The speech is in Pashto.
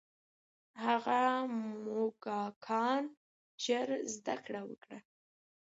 هغه موږکان ژر زده کړه وکړه.